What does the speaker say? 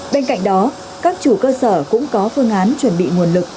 bên cạnh đó các chủ cơ sở cũng có phương án chuẩn bị nguồn lực